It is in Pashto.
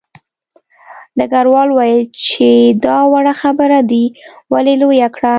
ډګروال وویل چې دا وړه خبره دې ولې لویه کړه